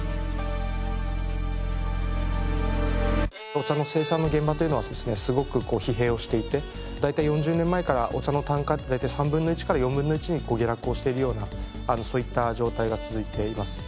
お茶の生産の現場というのはすごくこう疲弊をしていて大体４０年前からお茶の単価って大体３分の１から４分の１に下落をしているようなそういった状態が続いています。